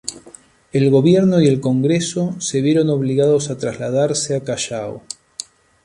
El gobierno y el Congreso se vieron obligados a trasladarse al Callao.